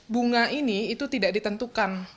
bunga ini itu tidak ditentukan